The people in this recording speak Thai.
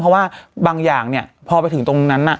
เพราะว่าบางอย่างพอไปถึงตรงนั้น